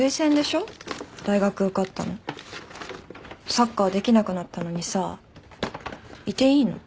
サッカーできなくなったのにさいていいの？